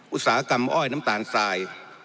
อุตสาหกรรมอ้อยน้ำตาลทราย